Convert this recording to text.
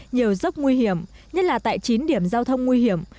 nhiều dốc nguy hiểm nhất là tại chín điểm giao thông nguy hiểm